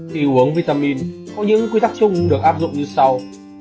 khi uống vitamin có những quy tắc chung được áp dụng như sau